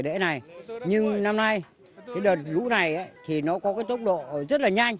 đã hoàn toàn bị cô lập